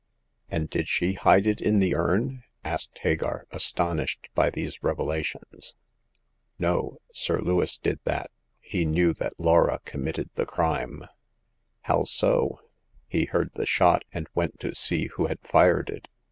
" And did she hide it in the urn ?" asked Hagar, astonished by these revelations. '5 226 Hagar of the Pawn Shop. " No ; Sir Lewis did so. He knew that Laura committed the crime." " How so ?"He heard the shot, and went to see who had fired it.